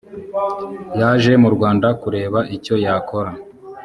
yaje mu rwanda kureba icyo yakora